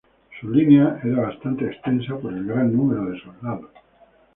Su línea era bastante extensa, por el gran número de soldados.